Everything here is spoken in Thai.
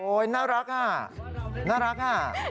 โอ๊ยน่ารักน่ะนี่น้อง